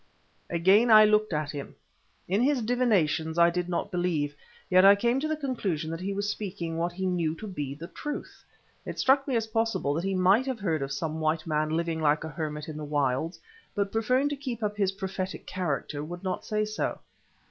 Again I looked at him. In his divinations I did not believe, yet I came to the conclusion that he was speaking what he knew to be the truth. It struck me as possible that he might have heard of some white man living like a hermit in the wilds, but preferring to keep up his prophetic character would not say so.